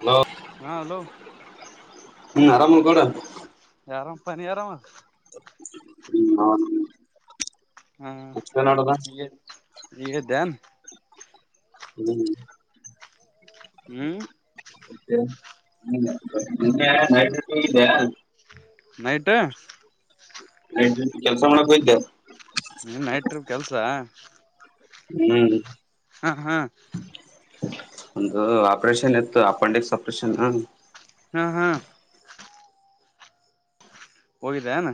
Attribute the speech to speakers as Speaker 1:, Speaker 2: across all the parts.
Speaker 1: Hello
Speaker 2: ಹಾ hello
Speaker 1: ಹ್ಮ್ ಆರಾಮೋಡ
Speaker 2: ಯ ಆರಾಮ ಪಾ ನೀ ಆರಾಮ
Speaker 1: ಹ್ಮ್ ಹ
Speaker 2: ಹಾ ಇ ಈಗ ಯದ್ದೇ
Speaker 1: ಹ್ಮ್
Speaker 2: ಹ್ಮ್
Speaker 1: [unintelligible]
Speaker 2: ನೈಟ್
Speaker 1: ಕೆಲಸ ಮಾಡಕ್ ಹೋಗಿದ್ದೆ
Speaker 2: ನಿನ್ ನೈಟ್ರ ಕೆಲ್ಸ
Speaker 1: ಹ್ಮ್
Speaker 2: ಹಾ ಹಾ
Speaker 1: ಒಂದು ಆಪರೇಷನ್ ಇತ್ತು ಅಪೆಂಡಿಕ್ಸ್ ಆಪ್ರೇಷನ್
Speaker 2: ಹಾ ಹಾ ಹೋಗಿದೆನಾ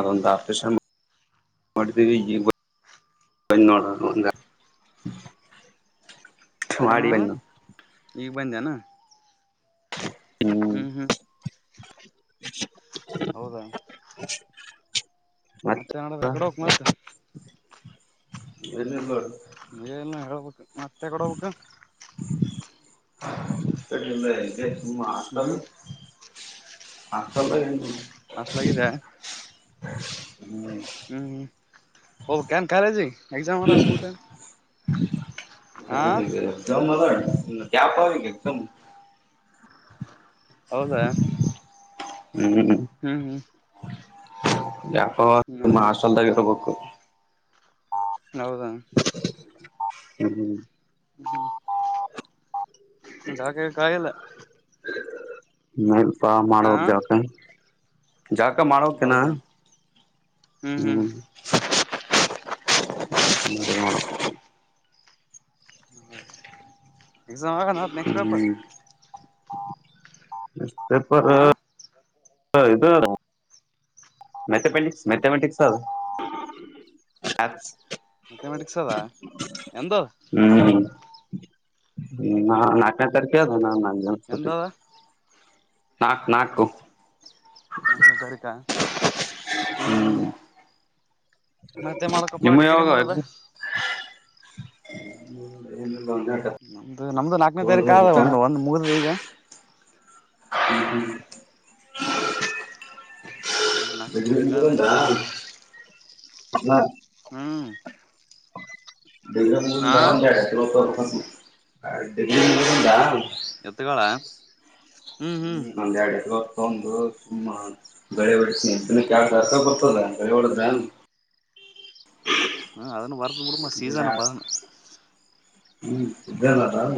Speaker 1: ಅದೊಂದ ಆಪರೇಷನ್ ಮಾಡ್ತೀವಿ ಬ ನೋಡೋಣ ಒಂದ
Speaker 2: ಹ್ಮ
Speaker 1: ಮಾಡಿ ಬಂದು
Speaker 2: ಈಗ ಬಂದೆನ ಹ್ಮ್ ಹ್ಮ್ ಹೌದಾ
Speaker 1: ಮತ್ತ
Speaker 2: ಮತ್ತೆ ನಡ ಎಕಡೆ ಹೋಗ ಮತ್
Speaker 1: ಎಲ್ಲಲ್ಲ
Speaker 2: ಏನಿಲ್ಲ ಹೇಳ್ಬೇಕು ಮತ್ತೆ ಕೊಡ್ಬೇಕು
Speaker 1: [unintelligible] ಎ ಹಾಷ್ಟಲ್
Speaker 2: ಹ್ಮ್
Speaker 1: ಅತ್ತಲ್ಲ ಎಂಟ
Speaker 2: ಅಷ್ಟಲಾಗಿದೆ.
Speaker 1: ಹ್ಮ್
Speaker 2: ಹ್ಮ್ ಹ್ಮ ಹ ಹೋಗ್ಬೇಕಿನ ಕಾಲೇಜಿಗೆ ಎಕ್ಸಾಮ ಎಲ್ಲ ಸೂಟ್ ಆ
Speaker 1: ಜಮ್ಮದ [unintelligible]
Speaker 2: ಹೌದಾ
Speaker 1: ಹ್ಮ್್ಮ್ಮ
Speaker 2: ಹ್ಮ್ ಹ್ಮ್
Speaker 1: ವ್ಯಾಪಾರ
Speaker 2: ಹ್ಮ್
Speaker 1: ನಮ್
Speaker 2: ಆಯ್ತು
Speaker 1: ಹಾಸ್ಟೆಲ್ದಾಗ ಇರ್ಬೇಕು.
Speaker 2: ಹೌದ
Speaker 1: ಹ್ಮ ಹ್ಮ್
Speaker 2: ಹ್ಮ್ ಜಳಕ ಗಿಳಕ ಆಗಿಲ್ಲ
Speaker 1: ನೋಡ್ಪ
Speaker 2: ಹಾ
Speaker 1: ಮಾಡಬೇಕು ಜಳಕ ಇನ್ನ ಜಳಕ ಮಾಡಬೇಕು ಇನ್ನ
Speaker 2: ಹೌದಾ ಹ್ಮ್ ಹ್ಮ್
Speaker 1: ಹ [unintelligible]
Speaker 2: ಹ ಎಕ್ಸಾಮ್ ಆಗಣ [unintelligible]
Speaker 1: ಹ [unintelligible] ಎಷ್ಟ
Speaker 2: ಹಾ
Speaker 1: ಇದು [unintelligible] ಮ್ಯಾಥಮೆಟಿಕ್ಸ್ ಮ್ಯಾಥಮೆಟಿಕ್ಸ್ ಅ
Speaker 2: ಮ್ಯಾಥಮೆಟಿಕ್ಸ್ ಅದ ಎಂದ
Speaker 1: ಹ್ಮ್ [inaudible] ನಾ ನಾಕಕಕದು ನ ಸಿ
Speaker 2: ಎಂದದ
Speaker 1: ನಾಕ್ ನಾಲ್ಕು
Speaker 2: ಬಾನ ತಾರಕ ಹ್ಮ್ ಹ್ಮ್ ಮತ್ತೆ ಮಾಡಕಪ್ಪಾ
Speaker 1: ನಿಮ್ಮ
Speaker 2: ಡಿಗ್ರಿ
Speaker 1: ಯಾವಾಗ
Speaker 2: ಮುಗ್ದ
Speaker 1: ಆಯ್ತು ಹ ಏನಲ್ಲ
Speaker 2: ನಮ್ದು ನಮ್ದು ನಾಲ್ಕನೇ ತಾರೀಕು ಆದ ಒಂದು ಒಂದ್ ಮುಗ್ದ ಈಗ
Speaker 1: ಹ್ಮ್ ಹ್ಮ್
Speaker 2: ಮತ್ ನಾಲ್ಕನೇ ತಾರೀಕ ಆದ
Speaker 1: ಬೆಟಾ
Speaker 2: ಹ್ಮ್ ಹಾ
Speaker 1: ಡಿಗಾವತ್ತುರ್ಡಿಗ [unintelligible]
Speaker 2: ಎತ್ತುಗ
Speaker 1: ಹ್ಮ್ ಅಲ್ಲಿ ಅಡು ಹೊತ ಒಂದು ಸುಮ್ಮ [unintelligible] ಗಳೆ ಹೊಡಸ್ನಕ್ಕೆ ಯ ಜಾತ ಬರ್ತದ ಗಳೆ ಹೊಡಿದ್ರ
Speaker 2: ಹಾ ಅದನ್ನು ವರದ ಮಲ
Speaker 1: ದಿನ
Speaker 2: ಸೀಸನ ಬದ
Speaker 1: ಹ್ಮ್ ಸ್ದ ಆರಾಮ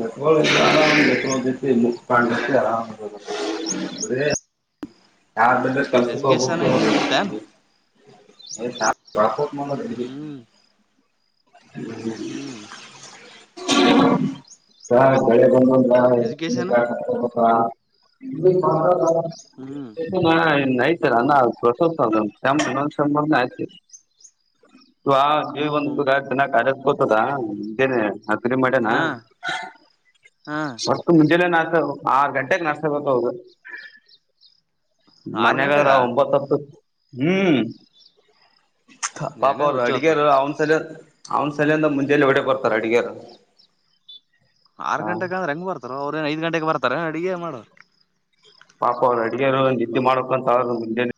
Speaker 2: ಹ್ಮ್ ಹ್ಮ್
Speaker 1: [unintelligible] ಪಂಡಕ್ಕೆ ಆರಾಮ ಅದೇ [unintelligible] ಯಾರ ಬೆಲೆ ಕಲ್ಸಕ
Speaker 2: ಎಜುಕೇಶನ್ ಇಲ್ಲಿಗೆ ಬಿಡ್ತೇನ್
Speaker 1: ಹೋಗ್ಬೇಕು ಎ ತಕು ಮನ
Speaker 2: ಹ್ಮ್
Speaker 1: [unintelligible]
Speaker 2: ಹ್ಮ್
Speaker 1: ಕ ಗಳ ಬಂಧನ್
Speaker 2: ಎಜುಕೇಶನ್
Speaker 1: ಕತ [unintelligible] ಇ ಕ [unintelligible]
Speaker 2: ಹ್ಮ್ [inaudible]
Speaker 1: ಇ ಐತರ ಅ ಪ್ರಸೋತ್ಂಬರ್ನ ಆಯ್ತ ಆ
Speaker 2: ಹ್ಮ್
Speaker 1: ಒಂದು
Speaker 2: ಹ್ಮ್
Speaker 1: ಉಪ ಚನ್ನ ಅದ ಕೊತದಾನೆ ಅದೇ ಮಾಡನಾ
Speaker 2: ಹಾ ಹಾ
Speaker 1: ಮ ಮುಂಜೆ ನಾ್ತ ಆರ್ ಗಂಟೆಗೆಗ್ ನಾಸ್ತಬೇಕ ಹೋಗದು [unintelligible]
Speaker 2: ಆರು ಗಂಟೆಗ
Speaker 1: ಮನ್ಯಗಾದ್ರ ಒಂಬತ್ತತ್ತು ಹ್ಮ್ [unintelligible] ಪಾಪ
Speaker 2: ಹೆಂಗ
Speaker 1: ಅವ್ರು
Speaker 2: ಉಜ್ಜು ಆತಪ್ಪ
Speaker 1: ಅಡಗೆರು ಅವನ್ ಸಲ ಅವ್ನ ಸಲಿಂದ ಮುಂಜೆಯಲ್ಲಿ ಹೊಡೆ ಬರ್ತಾರ ಅಡಗರು
Speaker 2: ಆರ್ ಗಂಟೆಗೆ ಅ್ರ ಹಂಗ ಬರ್ತಾರ ಅವ್ರ ಐದ ಗಟೆಗೆ ಬರ್ತಾರೆ ಅಡಗೆ ಮಾಡ
Speaker 1: ಪಾಪ ಅವ್ರು ಅಡುಗೆ ಒಂದು ಇದಿದ್ದು ಮಾಡಕ್ ಅಂತ್ರ ಮು [inaudible]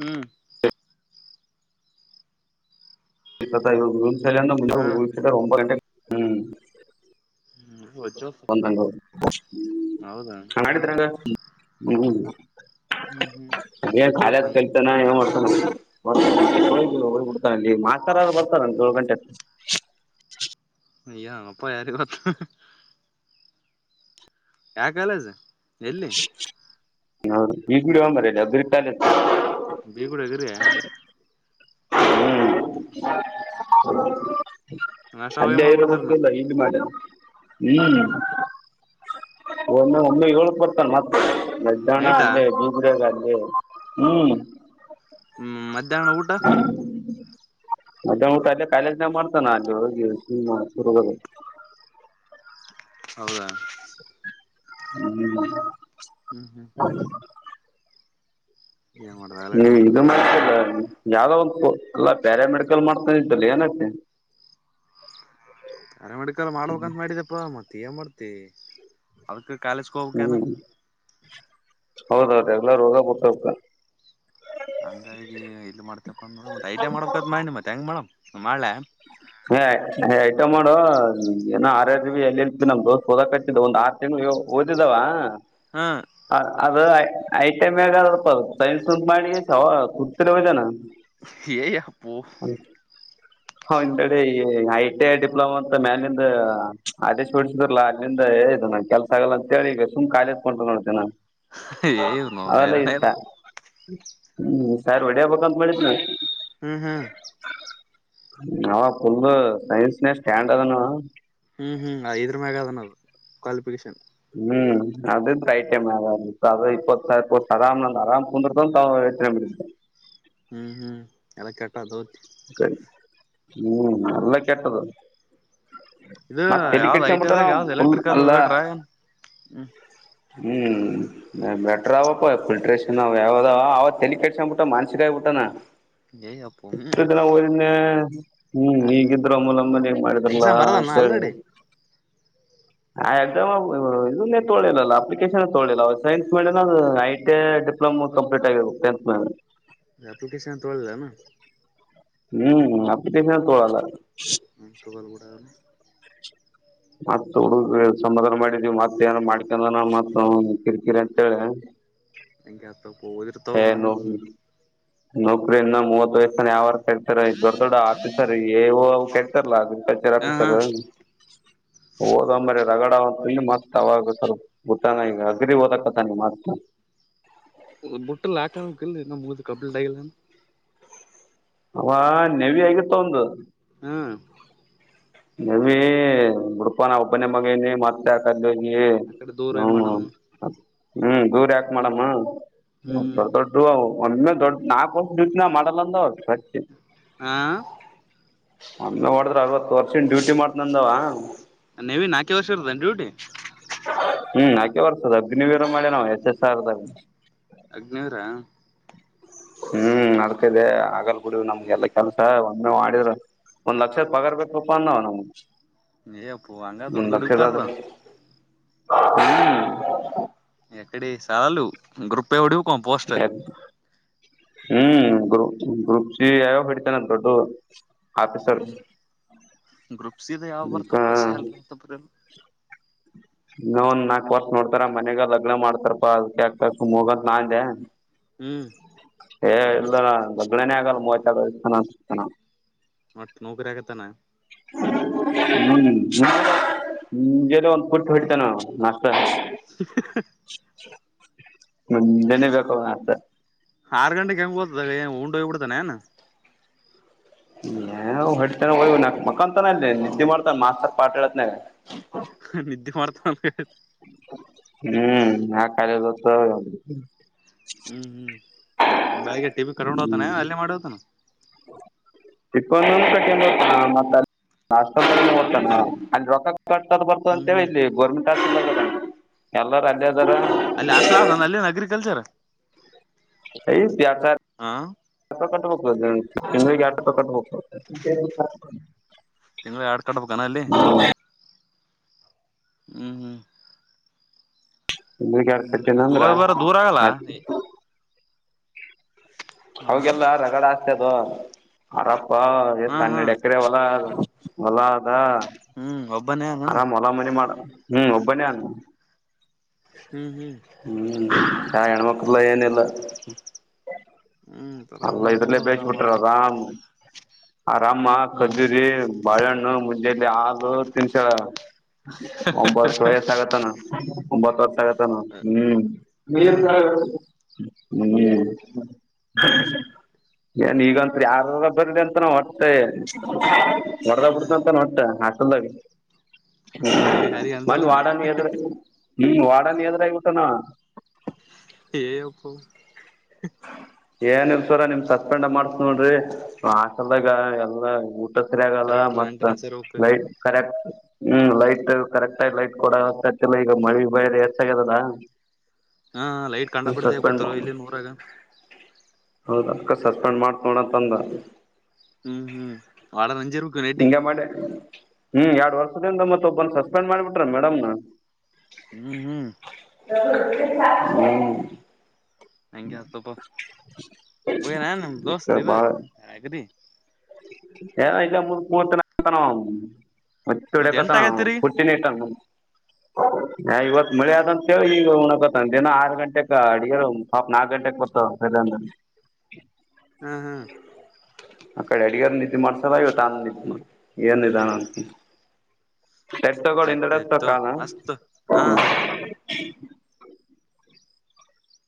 Speaker 2: ಹ್ಮ್
Speaker 1: ಈಥ ಇವಾಗ ಗ ಸಲ ಮುಂ
Speaker 2: ಹಾ
Speaker 1: [unintelligible] ಒಂಬ ಗಂಟೆಗೆ ಹ್ಮ್
Speaker 2: ಹ್ಮ್ ಹ
Speaker 1: ಒಂದಂಗ ಹಟತರಂಗ ಹ್ಮ [unintelligible]
Speaker 2: ಹ್ಮ್ ಹ್ಮ್
Speaker 1: ಸ
Speaker 2: ವಜ್ಜ್
Speaker 1: ಕಾಲ ಕ
Speaker 2: ಓದ್ತಂಗ
Speaker 1: [unintelligible] ಮಾಡ್ತ ಹೋಗ ಬಿಡ್ತಾನ ಇಲ್ಲಿ ಮಾತ ಬರ್ತಾನ ಏಳು ಗಂಟೆತ್ರ [inaudible]
Speaker 2: ಏನೋ ಯಾರಿಗೆ ಗೊತ್ತು ಯಾವ ಕಾಲೇಜು ಎಲ್ಲಿ
Speaker 1: ಹೌ ಈಗಡ ಹಂಬರಲ್ಲ ಅಾಲ [inaudible]
Speaker 2: ಬೇಗೂಡದ್ರೆ [inaudible] ನಾಷ್ಟ
Speaker 1: [inaudible]
Speaker 2: ಅವಾಗೆ ಮಾಡ್ಬಿಡ್ತಾರನ
Speaker 1: ಅದಐರಕ್ಕಲ್ಲ ಇಲ್ಲಿ ಮಾಡ ಹ್ಮ್ [inaudible] ಒಮ್ಮೆ ಒಮ್ಮೆ ಏಳ್ಕ್ ಬರ್ತಾನ ಮತ್ತ ಮಧನ
Speaker 2: ನೈಟಾ
Speaker 1: ಅಲ್ಲೇ ಗರಗೆ ಹ್ಮ್ [inaudible]
Speaker 2: ಹ್ಮ ಮಧ್ಯಾಹ್ನ ಊಟ
Speaker 1: ಅದಲ್ಲ ಕಾಲೇಜಲ್ಲಿ ಮಾಡ್ತಾನೆ
Speaker 2: ಹೌದಾ
Speaker 1: ಹ್ಮ್
Speaker 2: ಏನ್ ಮಾಡ್ದ
Speaker 1: ನೀ
Speaker 2: ಆಲ್ರೆಡಿ ಮತ್
Speaker 1: ಇದು
Speaker 2: ಮುಂಜೆ ಆರು
Speaker 1: ಮಾಡತಲ್ಲ
Speaker 2: ಗಂಟೆ
Speaker 1: ಯಾವುದೋ ಒಂದು ಪ್ಯಾರಾಮೆಡಿಕಲ್ ಮಾಡ್ತೀನಿ ಅಂದಲ್ಲ
Speaker 2: ಪ್ಯಾರಾ ಮೆಡಿಕಲ್ ಮಾಡ್ಬೇಕು ಮತ್ತೆ ಏನ್ ಮಾಡ್ತೀಯಾ ಅದಕ್ಕೂ ಕಾಲೇಜ್ ಹೋಗ್ಬೇಕಾ
Speaker 1: ಹ್ಮ್ ಹೌದೌದು ಎಲ್ಲ ರೋಗ ಗೊತ್ತಾಗ್ತ
Speaker 2: ಹಂಗಾಗಿ ಇಲ್ಲಿ ಮಾಡ್ತಪ್ಪ ಅ ನೋ ಮತ್ತೆ ಐಟಿ ಮಾಡಬೇಕತ್ ಮಾಡಿಿ ಮತ್ತೆ ಹೆಂಗ ಮಾಡಮ್ ಮಾಡಳೆ
Speaker 1: ಐಟಿಐ ಮಾಡು, ಆರ್‌ಎಬಿ ಇಲ್ಲ ಎಲ್ಲೆಲ್ ಬಿ ಮಾಡುವೆ ಏನು ಓದಿದಾವ
Speaker 2: ಹಾ
Speaker 1: ಅದು ಐ ಐಟ ಮೇಘ ಸೈನ್ಸ ಮಾಡ ಕುತಿರೋಜನ [inaudible]
Speaker 2: ಹಪ್ಪು
Speaker 1: ಹಂದಡೆ ಈ ಐ ಟಿ ಐ ಡಿಪ್ಲೊಮಾ ಅಂತ ಮ್ಯಾಲಿಂದ ಆದೇಶ ಬಿಡಿಸಿದ್ರಲ್ಲಾ ಅಲ್ಲಿಂದ ಇ ನ ಕೆಲ್ಸಲ್ಲ ಅಂತಿ ಈಗ ಸುಮ್ ಕಾಲೇಜಕೊಂಡ ನೋಡ್ತೇನಿ ನಾನು
Speaker 2: ಏ ನೋ
Speaker 1: ಅವಲ್ಲ
Speaker 2: ನೈರಾಣ
Speaker 1: ಇಷ್ಟ ಹ್ಮ್ ಸಾರು ಹೊಡಿಯಬೇಕಂತ ಮಾಡಿದ್ ನ
Speaker 2: ಹ್ಮ್ ಹ್ಮ್
Speaker 1: ನಾವ ಫುಲ್ ಸೈನ್ಸ್ನ ಸ್ಟ್ಯಾಂಡ್ ಅದನು
Speaker 2: ಹ್ಮ್ ಹ್ಮ್ ಇದ್ರ ಮ್ಯಾಗ ಅದನದು ಕ್ವಾಲಿಫಿಕೇಶನ್
Speaker 1: [inaudible] ಒಂದ್ರ ತಾವಚ್ಚರ [inaudible]
Speaker 2: ಹ್ಮ್ ಹ್ಮ್ ಎಲ್ಲ ಕೆಟದ ಹೋದು
Speaker 1: ಹ್ಮ್ ಎಲ್ಲ ಕೆಟ್ಟದ
Speaker 2: ಇದು
Speaker 1: ಮತ್ತೆ ಎಟ
Speaker 2: ಯಾವ್ದ್
Speaker 1: ಕಡಸ ಮಟ್ಟಾನ
Speaker 2: ಐಟಿದಾಗ ಯಾವ್ದ್ ಎಲೆಕ್ಟ್ರಿಕಲ್
Speaker 1: ಅಲ್ಲ
Speaker 2: ಬೇಟ್ರ ಏನ್ ಹ್ಮ್
Speaker 1: ಹ್ಮ್ ಮೆಟ್ರ ಅವಪ್ಪ ಫಿಲ್ಟ್ರೇಷನ್ ಅವ ಯಾವಾವ ಅವ ತಲಿ ಕೆಡಸಕೊಂಡ್ ಬಿಟ್ಟ ಮನ್ಸಿ ಆಿಬ ಬಿಟ್ಟಾನ
Speaker 2: ಎ ಅಪ್ಪ
Speaker 1: ಇಷ್ಟ ಜನ ೋದನೆ ಹ್ಮ್
Speaker 2: ಅಲ್ಲ
Speaker 1: ಈಗಿದ್ರು ಅ ಮೂಲಮ್ಮನ ಹೆಗ್ ಮಾಡಿದ್ರಲ್ಲ
Speaker 2: ಎಕ್ಸಾಮ್ ಬರದಾನ
Speaker 1: ಅಂತಂತ ಹೇಳಿ
Speaker 2: ಆಲ್ರೆಡಿ
Speaker 1: ಆ ಎಕ್ಸಾಮ್ ಇದೇ ತೊಳಿಲ್ಲಲ್ಲ ಅಪ್ಲಿಕೇಶನ್ ತೊಳಿಲ್ಲ ಸೈನ್ಸ್ ಮೇಡ ಐ ಟಿ ಡಿಪ್ಲೊಮೋ ಕಂಪ್ಲೀ ಆಗ ಟೆಂತ್ ಮಲೆ
Speaker 2: ಅಪ್ಲಿಕೇಶನ್ ತೊಳಲ್ಲ
Speaker 1: ಹ್ಮ್ ಅಪ್ಲಿಕೇಶನ್ ತಳಲ್ಲ
Speaker 2: ಹ ತೊಗಲ್ ಬಡಾವಲ್ಲ
Speaker 1: ಮತ್ತ್ ಹುಡುಗ ಸಮಾಧಾನ ಮಾಡಿದ್ವಿ ಮತ್ತತ್ ಏನ ಮಾಡ್ಕೊಂಡನ ಮತ್ ಕಿರಿಕಿರಿ ಅಂತೇಳಿ
Speaker 2: ಎಗೆ ಅತ್ತ ಪೋದರ್ತ ಹನಾವ
Speaker 1: ನೌಕ್ರರಿ ಇನ್ನು ಮೂವತ್ ವಯಸ್ಸನ ಯಾವಾಗ ಕಳ್ತಾರ ದೊಡ್ಡ ದೊಡ್ ಆಫೀಸರ್ ಏೋ ಕಳ್ತಾರಲ್ಲ ಅದ
Speaker 2: ಹ
Speaker 1: ರಕ
Speaker 2: ಹಾ
Speaker 1: ಸರ್ ಹಓದಂಬರಿ ರಗಡ ಅಂತಿ ಮತ್ತತ್ ತವ ಆಗರ್ ಗತ್ತಂಗ ಈಗ ಅಗ್ರಿ ಓದಕ್ಕತಾನ್ತ
Speaker 2: ಬುಟ್ಟಲ್ ಹಾಕ ಇ ಮೂದ ಕಬಲು ಡಲ್ಲ
Speaker 1: ಅವಾ ನೆವಿ ಆಗಿತ್ ಅವ್ನ್ದು
Speaker 2: ಹಾ
Speaker 1: ನೇವೀ ಬಿಡುಪಾ ನಾ ಒಬ್ಬನೇ ಮಗ ಏನೆ ಮಾಡ್ ದಾಕದೋಗಿ
Speaker 2: ಆ ಕಡೆ ದೂರ
Speaker 1: ಹ್ಮ್
Speaker 2: ಮಾಡಮ್ಮ
Speaker 1: ಹ್ಮ್ ದೂರ ಯಾಕ್ ಮಾಡಮ್ಮ ಹ್ಮ್ ದೊಡ್ ದೊಡ್ದು ಒಮ್ಮೆ ದೊಡ್ ನಾಕ ವರ್ಷ್ ದಿಂದ ಮಾಡಲ್ಲ ಅಂದ ಅವ್
Speaker 2: ಆ
Speaker 1: ಒಮ್ಮೆ ಮಾಡಿದ್ರ ಅರವತ್ತು ವರ್ಷನ್ ಡ್ಯೂಟಿ ಮಾಡ್ತ್ ನಂದಾವ
Speaker 2: ನೇವಿ ನಾಕೆ ವರ್ಷ ಇರುದೇನ್ ಡ್ಯೂಟಿ
Speaker 1: ಹ್ಮ್ ಯಾಕೆ ಬರ್ತದ ಅಗ್ನಿವೀರ ಮಳೆ ನಾವು ಎಸ್ ಎಸ್ ಸರ್ದಾಗ
Speaker 2: ಅಗ್ನಿವೀರ
Speaker 1: ಹ್ಮ್ ನಡ್ತಿದೆ ಆಗಲ್ ಬೀಡು ನಮ್ಗೆಲ್ಲಾ ಕೆಲ್ಸ ಒಮ್ಮೆ ಮಾಡಿದ್ರ ಒಂದ್ ಲಕ್ಷದ್ ಪಗರ್ಬೇಕಪ್ಪ ಅಂದ ನಾವು
Speaker 2: ಏಪ್ಪು ಹಂಗ ದೊಡ್ ದೊಡ್ದುಕಾದ್ವ
Speaker 1: ಹ್ಮ್
Speaker 2: ಎಕಡೆ ಸಾಲು ಗ್ರೂಪ್ [unintelligible]
Speaker 1: ಎ ಹ್ಮ್ ಗ್ರೂಪ್ ಗ್ರೂಪ್ ಸಿ ಯಯೋ ಬಿಡ್ತನೆ ದೊಡ್ಡು ಆಫೀಸರು
Speaker 2: ಹ್ಮ್ ಗ್ರೂಪ್ ಸಿದು ಯಾವ ಬರ್ತೊಪ್ಪ [unintelligible]
Speaker 1: ಈಗ ಒಂದ್ ನಾಕ್ ವರ್ಷ ನೋಡ್ತರ ಮನೆಗ ಲಗ್ನ ಮಾಡ್ತಾರಪ್ಪಾ [unintelligible]
Speaker 2: ಹ್ಮ್
Speaker 1: ಏ ಇಲ್ಲ ಅಣ ಮದ್ವೆನೇ ಆಗಲ್ಲ ಮೂವತ್ ಎರಡು ವರ್ಷ ತನ ತನ
Speaker 2: ಮತ್ ನೌಕರಿ ಆಗೈತನ
Speaker 1: ಹ್ಮ್ ನಿಂಗೆಲ್ಲ ಒಂದ್ ಪುಟ್ಟ ಹೊಡಿತಾನ ನಾಷ್ [inaudible]
Speaker 2: [inaudible]
Speaker 1: ನೇನಿಬೇಕ್
Speaker 2: ಆರ್ ಗಂಟೆಗೆ ಹೆಂಗ್ ಹೋತದ ಏಂಡು ಹೋಗ್ ಬಿಡ್ತಾನ ಏ
Speaker 1: ಏ ಹೊಡತಾನಯ್ ನಕ್ ಮಕ್ಕಂತಾನ ಇ ನಿದ್ದೆ ಮಾಡ್ತಾನ ಮಾಸ್ತರ್ ಪಾಟ್ ಹೇಳತ್ನ
Speaker 2: ನ ನಿಿದ್ದೆ ಮಾಡ್ತ
Speaker 1: ಹ್ಮ್ ಆ ಕಾರ್ಯದತ್ತ
Speaker 2: ಹ್ಮ್ ಹ್ಮ್ ಬೆಳಿಗ್ಗೆ ಟಿ ಬಿ ಕರ್ಕೊಂಡ
Speaker 1: ಹ್ಮ್
Speaker 2: ಹೋಗತಾನ ಅಲ್ಲೇ ಮಾಡತಾನ
Speaker 1: ಚಿಕ್ಕಂದ ಕಟ್ಟನುತಾನ ಮಾಷ್ಟತಾನ ಅ ರ ಕಟ್ಟದ ಬರ್ತ
Speaker 2: ಹ್ಮ್
Speaker 1: ಅಂತೇ
Speaker 2: ಹ್ಮ್
Speaker 1: ಇಲ್ಲಿ ಗೋರ್ಮೆಂಟ್ ಆ ಎಲ್ಲರ ಅಲ್ಲಿದರ
Speaker 2: ಅಲ್ಲಿ ಅಷ್ಟಲ ಆದಾನ ಅಲ್ಲಿನ್ ಅಗ್ರಿಕಲ್ಚರ್
Speaker 1: [inaudible]
Speaker 2: ಹಾ
Speaker 1: ಕಟ್ಟಬೇಕ ತಿಂಗಳಳಿಗೆ ಎಪ ಕಟ್ಬ
Speaker 2: ತಿಂಗಳು ಆಡ್ ಕಡ್ಬೇಕಣ ಅಲ್ಲಿ
Speaker 1: ಹೌ
Speaker 2: ಹ್ಮ್ ಹ್ಮ್
Speaker 1: [inaudible]
Speaker 2: ನನಗೈತ್
Speaker 1: ಅಂದ್ರ
Speaker 2: ಹೋಗ್ ಬರ ದೂರ ಆಗಲ್ಲ
Speaker 1: ಆಯ್ತು
Speaker 2: ಹ
Speaker 1: ಅವಗೆಲ್ಲ ರಗಡ ಆಸ್ತಿ ಅದು ಅರಪ್ಪ ಎಷ್ಟ
Speaker 2: ಹಾ ಹಾ
Speaker 1: ಹನ್ನಡ್ ಎಕರೆ ಹೊಲಾ ಆದಾ ಹೊಲಾ ಅದಾ
Speaker 2: ಹ್ಮ್ ಒಬ್ಬನೇ ನಾನ
Speaker 1: ಆರಾಮ್ ಹೊಲ ಮನಿ ಮಾಡ ಹ್ಮ್ ಒಬ್ಬನೇ ಅನ್
Speaker 2: ಹ್ಮ್ ಹ್ಮ್
Speaker 1: ಹ್ಞ ಆ ಹೆಣ್ಮಕ್ಳಲ್ಲ ಏನಿಲ್ಲ
Speaker 2: ಹ್ಮ್ ಆರಾಮ್ ನೋಗ್ಬೋದು ಆರಾಮ್ ಮಾಡ್ಕೊಂಡು
Speaker 1: ಹ ಆರಾಮ
Speaker 2: ಹ್ಮ್
Speaker 1: ಖಜೂರಿ ಬಾಳೆಹಣ್ಣು ಮುಂಜೆಯಲ್ಲಿ ಹಾಗು ತಿನ್ಸಳ ಒಂಬತ್ತು ವಯಸ ಆಗತ್ತಾನ ಒಂಬತ್ತು ವರ್ಷ ಆಗತ್ತ ಹ್ಮ್
Speaker 2: ಹಾ
Speaker 1: ಹ್ಮ್ ಏನ್ ಈಗಂತ ಯಾರಾರ ಬರ್ರಿ ಅಂತ ನಾ ಹೊಟ್ಟತ ಹೊರದ ಬಿಡ್ತ
Speaker 2: ಹ್ಮ್
Speaker 1: ಅಂತ ನೋಡ್ತ ಹಲ್ದಾಗ
Speaker 2: ಯಾರಿಗ್ ಅಂಜಲ್ಲ
Speaker 1: ಮನ್
Speaker 2: ಅಂದೇನ
Speaker 1: ವಾಡನ್ ಎದ್ರ ನಿ ವಾಡನ್ ಎದ್ರ ಊಟಾನ
Speaker 2: ಏ ಅಪ್ಪ
Speaker 1: ಏನ್ಸರ ನಿಮ್ ಸಸ್ಪೆಂಡ್ ಮಾಡ್ಸ ನೋಡ್ರಿ ಆಸೆಲ್ದಾಗ ಎಲ್ಲ ಸಸರೆ ಆಗಲ್ಲ
Speaker 2: ಕರೆಕ್ಟ್
Speaker 1: ಮತ್ತ
Speaker 2: ಮೇಂಟೆನೆನ್ಸ್ ಇರ್ಬೇಕು
Speaker 1: ಲೈಟ್ ಕರೆಕ್ಟ್ ಹ್ಮ್ ಲೈಟ್ ಕರೆಕ್ಟ್ ಆಗಿ ಲೈಟ್ ಕೊಡಚ್ಚಲ್ಲ ಈಗ ಮಳಿ ಬೈ ಹೆಚ್ಚ ಆಗ್ಯದದ
Speaker 2: ಹಾ ಲೈಟ್ ಕಂಡ ಬಿಿಡ್ತ ಕೂತ ಇಲ್ಲಿ ನೂರಾಗ
Speaker 1: ಹೌದು ಅಕ್ಕ ಸಸ್ಪೆಂಡ್ ಮಾಡ್ ನೋಡಂತಂದ
Speaker 2: ಹ್ಮ್ ಹ್ಮ್ ವಾಳ ನಂಜರ್
Speaker 1: ಹಿಂಗ ಮಾಡಿ ಹ್ಮ್ ಎರಡ್ ವರ್ಷದಿಂದ ಮತ್ ಒಬ್ಬನ್ ಸಸ್ಪೆಂಡ್ ಮಾಡಿಬಿಟ್ರ ಮೇಡಮ್ ನ
Speaker 2: ಹ್ಮ್ ಹ್ಮ್
Speaker 1: ಹ್ಮ್
Speaker 2: ಹಂಗೆ ಆತಪ ನಮ ದೋಸ್ತ್
Speaker 1: ಇಕ ಬಾಳ
Speaker 2: ಇದುಗರಿ
Speaker 1: ಏ ಇಗ ಮು ಪೂರ್ತನತನ
Speaker 2: ಮತ್ ಎಂಟ
Speaker 1: ಒಡತನ
Speaker 2: ಆಗತಿರಿ
Speaker 1: ಪುತಿನ ಇಟ್ಟ ಹ ಇವತ್ ಮಳೆ ಅದಂತ ಹೇಳಿ ಈಗ ಉಣಕತ್ತ ದಿನ ಆರು ಗಂಟೆಕ್ ಅಡಗೆ ಹಾಪ್ ನಾಕ ಗಂಟೆಗೆ ಕೊೊತ್ತ
Speaker 2: ಹಾ ಹಾ
Speaker 1: ಆ ಕಡೆ ಅಡಗಾರ ನಿಿದ್ದ ಮಾಡ್ಸಲ ಇವತ್ತುಾನ ನಿ ಏನಿದ್ದಾನ ಎಡ್ ತಗೋಳ ಇಿಂದಡೆಸ್ತ
Speaker 2: ಆಯ್ತಾಯ್ತು
Speaker 1: ಕಾನ
Speaker 2: ಅಸ್ತು ಹ ಹ